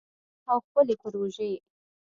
او خپلې پروژې